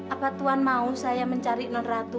apa tuhan mau saya mencari non ratu